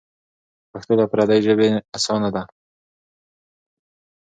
پښتو له پردۍ ژبې اسانه ده.